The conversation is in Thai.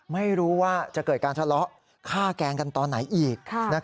ไม่รู้ว่าจะเกิดการทะเลาะฆ่าแกล้งกันตอนไหนอีก